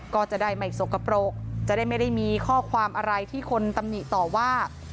ก็จะได้ไม่สกปรกจะได้ไม่ได้มีข้อความอะไรที่คนตำหนิต่อว่า